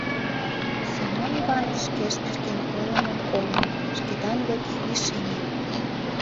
Семён Иваныч, шкеж нерген ойлымым колын, Шкетан деке лишеме.